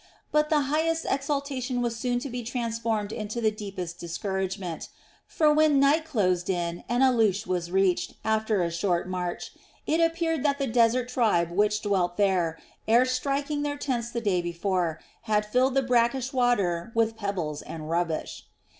But the highest exaltation was soon to be transformed into the deepest discouragement; for when night closed in and Alush was reached after a short march it appeared that the desert tribe which dwelt there, ere striking their tents the day before, had filled the brackish spring with pebbles and rubbish.